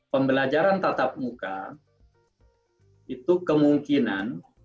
pembelajaran tatap muka itu kemungkinan